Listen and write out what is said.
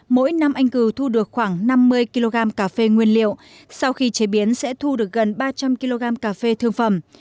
mỗi năm anh cừu thu được khoảng năm mươi kg cà phê nguyên liệu sau khi chế biến sẽ thu được gần ba trăm linh kg cà phê thương phẩm